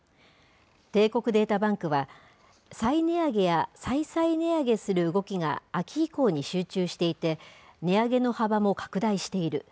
帝国データバンクは、再値上げや再々値上げする動きが秋以降に集中していて、値上げの幅も拡大している。